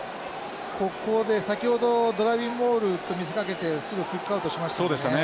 ここで先ほどドライビングモールと見せかけてすぐキックアウトしましたもんね。